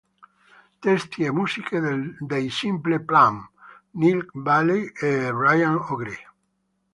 Testi e musiche dei Simple Plan, Nick Bailey e Ryan Ogre.